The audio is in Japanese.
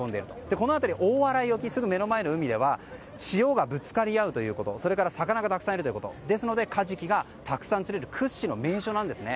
このあたり、大洗沖すぐ目の前の海では潮がぶつかり合うということそれから魚がたくさんいるということで、カジキがたくさん釣れる屈指の名所なんですね。